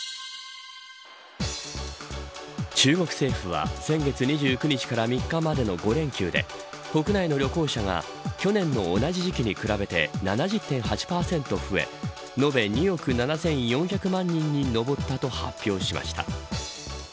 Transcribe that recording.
中国政府は先月２９日から３日までの５連休で国内の旅行者が去年の同じ時期に比べて７０．８％増え延べ２億７４００万人に上ったと発表しました。